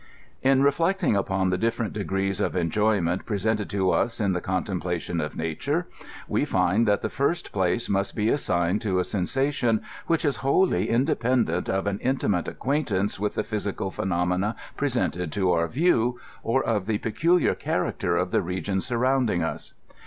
In reflecting upon the diflerent degrees of enjoyment pre sented to us in the contemplation of nature, we find that the first place must be assigned to a sensation, which is wholly independent of an intimate acquaintance with the phjrsical phenom^ia presented to our view, or of the peculiar character of the region surrounding us.